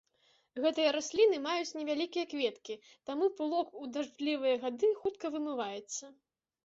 Гэтыя расліны маюць невялікія кветкі, таму пылок у дажджлівыя гады хутка вымываецца.